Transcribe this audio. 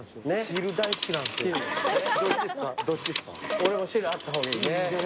俺も汁あった方がいいね。